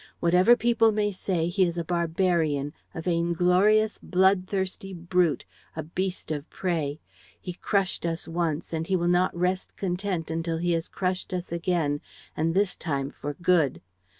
Whatever people may say, he is a barbarian, a vain glorious, bloodthirsty brute, a beast of prey. He crushed us once and he will not rest content until he has crushed us again and, this time, for good.